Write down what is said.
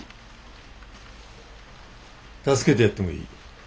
助けてやってもいい。